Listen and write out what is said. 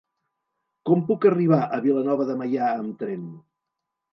Com puc arribar a Vilanova de Meià amb tren?